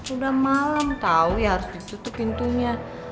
udah malem tau ya harus ditutup pintunya